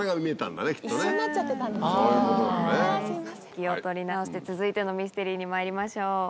気を取り直して続いてのミステリーにまいりましょう。